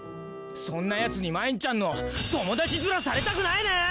そんなやつにまいんちゃんのともだちづらされたくないね！